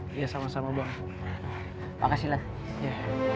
terima kasih banyak bapak ikta atas pertolongannya